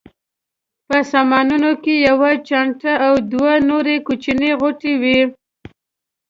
په سامانونو کې یوه چانټه او دوه نورې کوچنۍ غوټې وې.